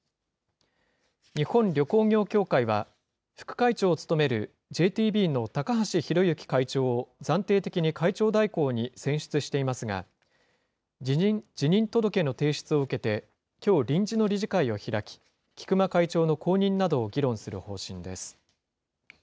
日本旅行業協会は、副会長を務めるＪＴＢの高橋広行会長を暫定的に会長代行に選出していますが、辞任届の提出を受けて、きょう、臨時の理事会を開き、菊間会長の後任などを議論する方針です。